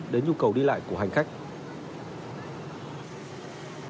đến nhu cầu đi lại của hành khách